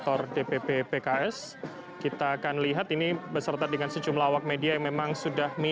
oh ini tuh